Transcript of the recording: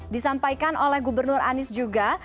disampaikan oleh gubernur anies juga